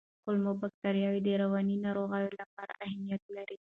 کولمو بکتریاوې د رواني ناروغیو لپاره اهمیت لري.